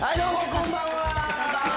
こんばんは。